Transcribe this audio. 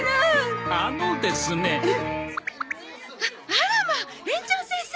あらまあ園長先生！